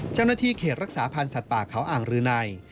เจ้าหน้าที่เขตรักษาพันธ์สัตว์ป่าเขาอ่างรืนัย